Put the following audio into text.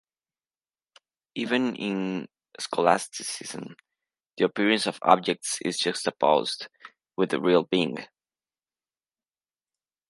Even in scholasticism, the appearance of objects is juxtaposed with real being.